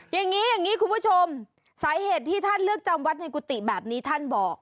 อย่างนี้อย่างนี้คุณผู้ชมสาเหตุที่ท่านเลือกจำวัดในกุฏิแบบนี้ท่านบอก